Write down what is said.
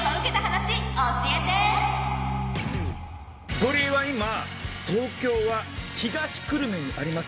ゴリエは今東京・東久留米にあります